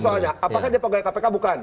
soalnya apakah dia pegawai kpk bukan